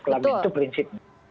kelamin itu prinsipnya